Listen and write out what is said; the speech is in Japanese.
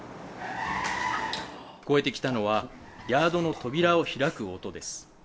聞こえてきたのは、ヤードの扉を開く音です。